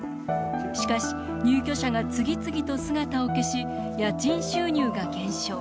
しかし、入居者が次々と姿を消し家賃収入が減少。